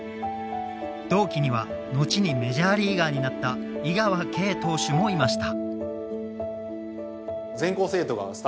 同期には後にメジャーリーガーになった井川慶投手もいました。